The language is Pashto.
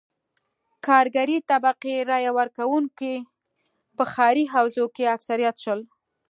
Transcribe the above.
کارګرې طبقې رایه ورکوونکي په ښاري حوزو کې اکثریت شول.